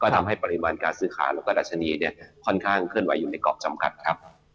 ทำให้ปริมาณการซื้อค้าและราชนีค่อนข้างขึ้นไว้อยู่ในกรอบจำกัดครับ